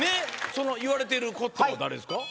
その言われてるコットンは誰ですか？